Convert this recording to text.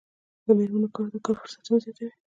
د میرمنو کار د کار فرصتونه زیاتوي.